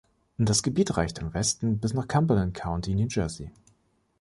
Das Gebiet reicht im Westen bis nach Cumberland County, New Jersey.